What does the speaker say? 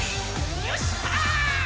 よっしゃ！